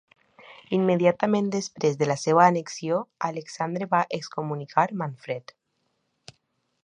Immediatament després de la seva annexió Alexandre va excomunicar Manfred.